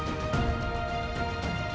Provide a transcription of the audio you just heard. ya bagus kagum gitu ya